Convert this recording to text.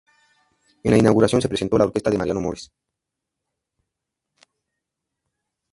En la inauguración se presentó la orquesta de Mariano Mores.